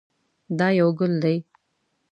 دا یو ګل دی.